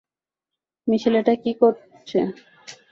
মিশেল এটা কী করছে?